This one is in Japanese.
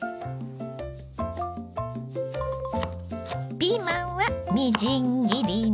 ピーマンはみじん切りに。